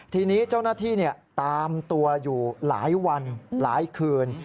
ทีนี้เจ้าหน้าที่ตามตัวอยู่หลายวันหลายคืน